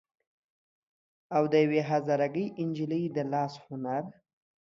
او د يوې هزاره ګۍ نجلۍ د لاس هنر